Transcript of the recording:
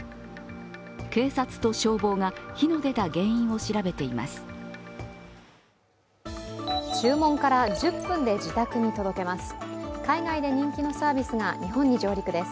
警察と消防が火の出た原因を調べています。